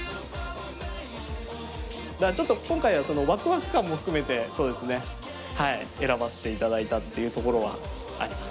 ちょっと今回はわくわく感も含めて選ばせていただいたというところはあります。